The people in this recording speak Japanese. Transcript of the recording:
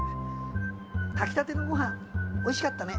「炊きたてのご飯おいしかったね」。